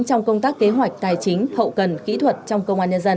trong công tác kế hoạch tài chính hậu cần kỹ thuật trong công an nhân dân